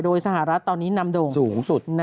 โดยสหรัฐตอนนี้นำโด่งสูงสุด